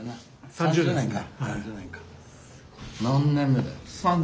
３０年か。